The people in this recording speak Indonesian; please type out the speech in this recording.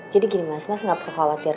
jadi gini mas mas gak perlu khawatir